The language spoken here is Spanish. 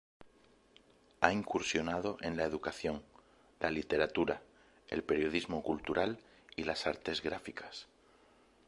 Ha incursionado en la educación, la literatura, el periodismo cultural y las artes gráficas.